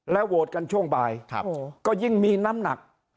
โหวตกันช่วงบ่ายก็ยิ่งมีน้ำหนัก